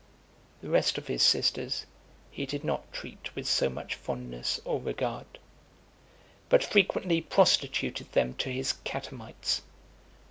The rest of his sisters he did not treat with so much fondness or regard; but frequently prostituted them to his catamites.